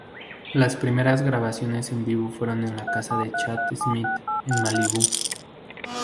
Las primeras grabaciones en vivo fueron en la casa de Chad Smith en Malibú.